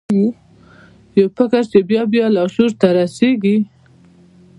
یو فکر چې بیا بیا لاشعور ته رسیږي